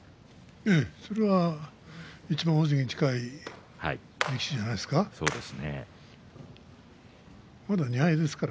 そりゃ、いちばん大関に近い力士じゃないですか。